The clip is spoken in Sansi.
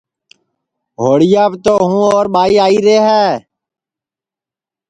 ہوݪیاپ تو ہوں اور ٻائی آئیرے ہے